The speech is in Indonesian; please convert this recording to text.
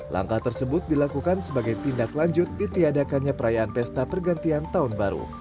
langkah tersebut dilakukan sebagai tindak lanjut ditiadakannya perayaan pesta pergantian tahun baru